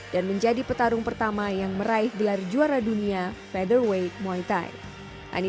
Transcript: dan menjadi petarung pertama yang meraih gelar juara dunia federal weight muay thai